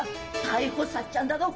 逮捕さっちゃんだど！